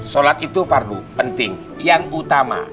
sholat itu fardu penting yang utama